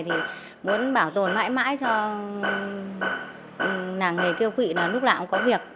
muốn bảo tồn mãi mãi cho làng nghề kiêu quỵ lúc nào cũng có việc